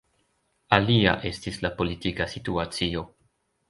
Alia estis la politika situacio.